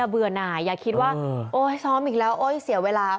เบื่อหน่ายอย่าคิดว่าโอ๊ยซ้อมอีกแล้วโอ๊ยเสียเวลา